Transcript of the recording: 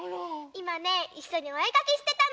いまねいっしょにおえかきしてたの！